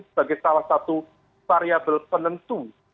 sebagai salah satu variable penentu